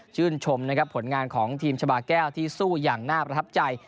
ชมนะครับผลงานของทีมชาบาแก้วที่สู้อย่างน่าประทับใจ